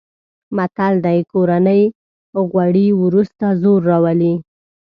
متل دی: کورني غوړي ورسته زور راولي.